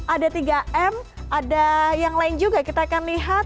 ada tiga m ada yang lain juga kita akan lihat